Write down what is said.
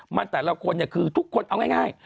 มันแต่ละคนเนี่ยคือทุกคนเอาง่าย